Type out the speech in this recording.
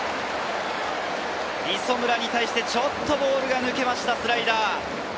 磯村に対してボールが抜けました、スライダー。